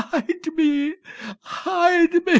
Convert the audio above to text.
hide me! hide me!